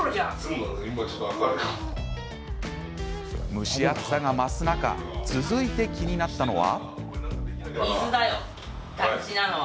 蒸し暑さが増す中続いて気になったのは。